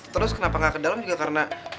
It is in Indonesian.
terus kenapa ga kedalem juga karena